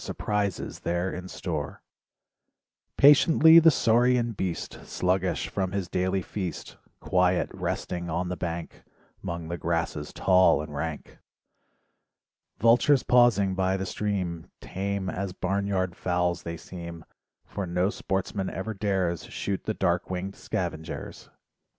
surprises there in store. Patiently the saurian beast Sluggish from his daily feast. Quiet, resting on the bank 'Mong the grasses tall and rank. Vultures pausing by the stream Tame as barn yard fowls they seem, LIFE WAVES 16 For no sportsman ever dares Shoot the dark winged scavengers.